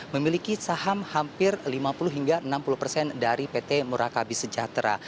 memiliki saham hampir lima puluh hingga enam puluh persen dari pt murakabi sejahtera